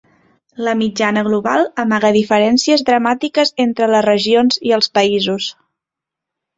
La mitjana global amaga diferències dramàtiques entre les regions i els països.